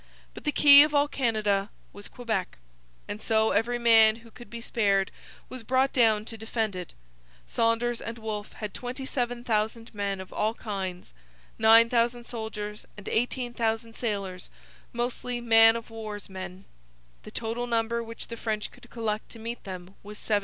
But the key of all Canada was Quebec; and so every man who could be spared was brought down to defend it. Saunders and Wolfe had 27,000 men of all kinds, 9,000 soldiers and 18,000 sailors, mostly man of war's men. The total number which the French could collect to meet them was 17,000.